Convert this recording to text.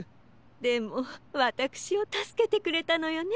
でもわたくしをたすけてくれたのよね。